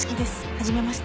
はじめまして。